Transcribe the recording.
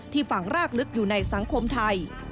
ฝั่งรากลึกอยู่ในสังคมไทย